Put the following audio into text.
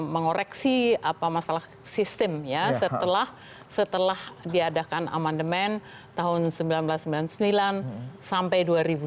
mengoreksi apa masalah sistem ya setelah diadakan amandemen tahun seribu sembilan ratus sembilan puluh sembilan sampai dua ribu dua puluh